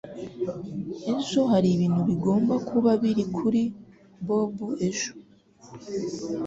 Ejo hari ikintu kigomba kuba kuri Bob ejo.